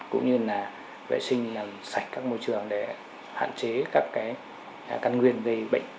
cũng như là vệ sinh làm sạch các môi trường để hạn chế các căn nguyên gây bệnh